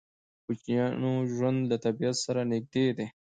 د کوچیانو ژوند له طبیعت سره نږدې دی.